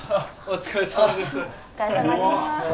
お疲れさまです